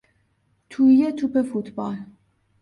تویی توپ فوتبال